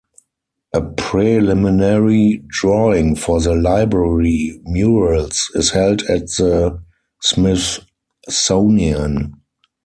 A preliminary drawing for the library murals is held at the Smithsonian.